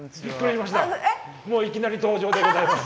もういきなり登場でございます。